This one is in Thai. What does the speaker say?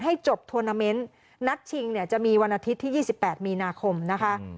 จบทวนาเมนต์นัดชิงเนี่ยจะมีวันอาทิตย์ที่๒๘มีนาคมนะคะ